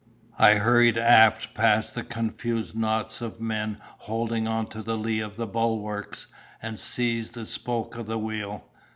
"I hurried aft past the confused knots of men holding on to the lee of the bulwarks, and seized a spoke of the wheel.